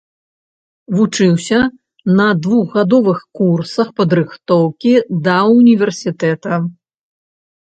Вучыўся на двухгадовых курсах падрыхтоўкі да ўніверсітэта.